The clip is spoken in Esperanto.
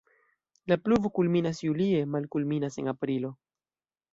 La pluvo kulminas julie, malkulminas en aprilo.